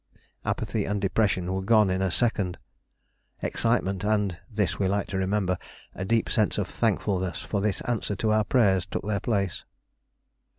Apathy and depression were gone in a second. Excitement and this we like to remember a deep sense of thankfulness for this answer to our prayers took their place.